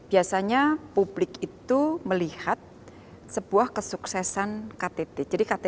biasanya publik itu melihat sebuah kesuksesan ktt jadi ktt g dua puluh itu dimana mana selalu menjadi perhatian